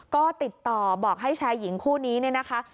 ก็ติดต่อบอกให้ชายหญิงคู่นี้เนี่ยนะคะ